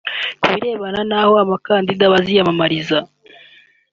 Ku birebana n’aho abakandida baziyamamariza